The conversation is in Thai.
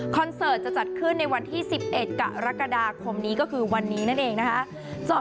เสิร์ตจะจัดขึ้นในวันที่๑๑กรกฎาคมนี้ก็คือวันนี้นั่นเองนะคะ